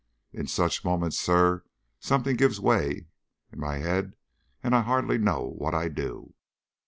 In such moments, sir, something gives way in my head, and I hardly know what I do.